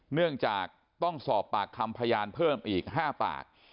เนื่องจากต้องสอบปากคำพยานเพิ่มอีก๕ปาก